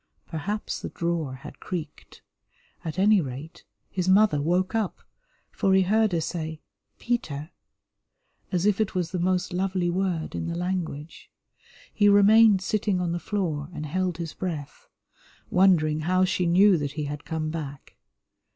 Perhaps the drawer had creaked; at any rate, his mother woke up, for he heard her say "Peter," as if it was the most lovely word in the language. He remained sitting on the floor and held his breath, wondering how she knew that he had come back.